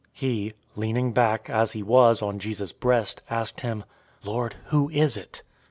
013:025 He, leaning back, as he was, on Jesus' breast, asked him, "Lord, who is it?"